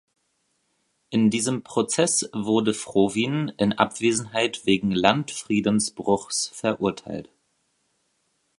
In diesem Prozess wurde Frowin in Abwesenheit wegen Landfriedensbruchs verurteilt.